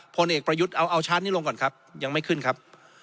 พลเอกประยุทธ์เอาชาร์จนี้ลงก่อนครับยังไม่ขึ้นครับ